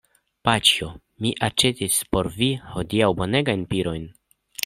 Paĉjo, mi aĉetis por vi hodiaŭ bonegajn pirojn.